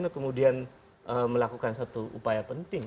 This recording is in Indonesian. kemudian melakukan satu upaya penting